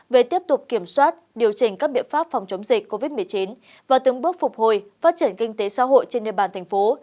về tiếp tục kiểm soát điều chỉnh các biện pháp phòng chống dịch covid một mươi chín và từng bước phục hồi phát triển kinh tế xã hội trên địa bàn thành phố